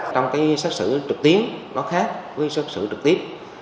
trong xét xử trực tuyến nó khác với xét xử trực tiếp